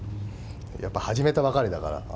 やっぱり始めたばかりだから。